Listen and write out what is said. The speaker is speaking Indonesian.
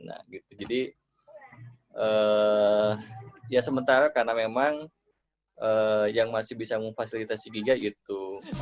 nah gitu jadi ya sementara karena memang yang masih bisa memfasilitasi giga itu